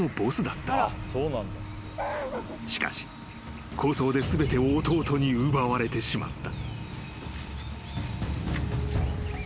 ［しかし抗争で全てを弟に奪われてしまった］